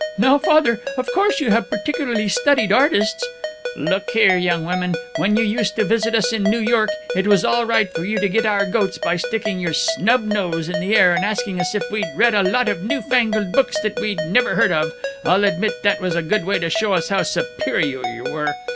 "Now, Father, of course you have particularly studied artists " "Look here, young woman, when you used to visit us in New York, it was all right for you to get our goats by sticking your snub nose in the air and asking us if we'd read a lot of new fangled books that we'd never heard of. I'll admit that was a good way to show us how superior you were.